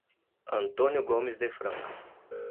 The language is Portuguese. Antônio Gomes de Franca